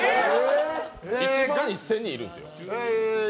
１万１０００人いるんですよ？